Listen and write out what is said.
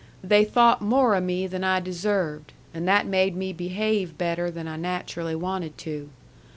They thought more o' me than I deserved, and that made me behave better than I naturally wanted to.